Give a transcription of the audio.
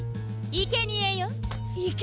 いけにえ！？